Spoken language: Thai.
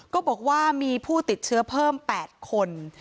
ก็บอกว่ามีผู้ติดเชื้อเพิ่ม๘คน